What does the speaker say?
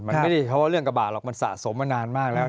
มันไม่ได้เพราะว่าเรื่องกระบาดหรอกมันสะสมมานานมากแล้ว